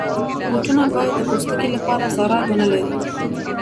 بوټونه باید د پوستکي لپاره ضرر ونه لري.